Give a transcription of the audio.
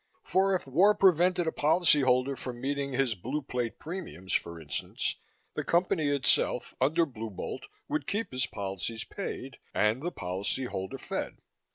(For if war prevented a policyholder from meeting his Blue Plate premiums, for instance, the Company itself under Blue Bolt would keep his policies paid and the policyholder fed.)